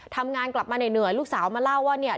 ทำงานกลับมาเหนื่อยลูกสาวมาเล่าว่าเนี่ย